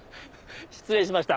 失礼しました。